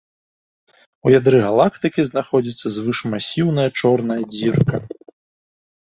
У ядры галактыкі знаходзіцца звышмасіўная чорная дзірка.